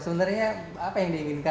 sebenarnya apa yang diinginkan